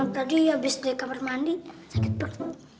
tadi habis dia kamar mandi sakit perut